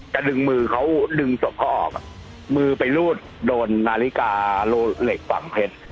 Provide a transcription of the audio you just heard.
ดึงมือเขาดึงศพเขาออกมือไปรูดโดนนาฬิกาโลเหล็กฝั่งเพชร